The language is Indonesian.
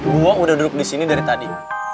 gue udah duduk disini dari tadi